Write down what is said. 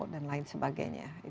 dan lain sebagainya